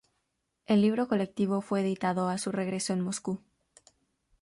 El libro colectivo fue editado a su regreso en Moscú.